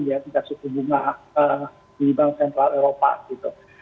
ya kita cukup bunga di bank sentral eopa gitu